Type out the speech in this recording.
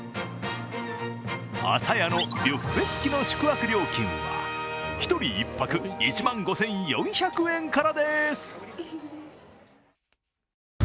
あさやのビュッフェつきの宿泊料金は、１人１泊１万５４００円からです。